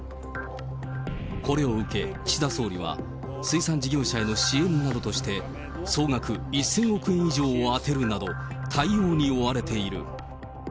これを受け、岸田総理は、水産事業者への支援などとして、総額１０００億円以上を充てるなど、対応に追われている。